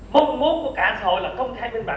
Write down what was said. mong mốt của cả xã hội là không thay nguyên bản